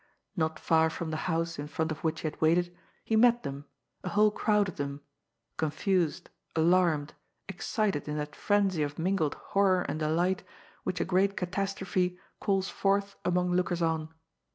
Not far from the house in front of which he had waited, he met them, a whole crowd of them, confused, alarmed, excited in that frenzy of mingled horror and delight which a great catastrophe calls forth among lookers on.